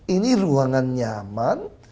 ini ruangan nyaman